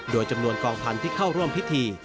โดยจำนวนกองพันธุ์ที่เข้าร่วมพิธี